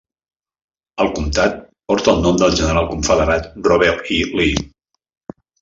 El comtat porta el nom del general confederat Robert E. Lee.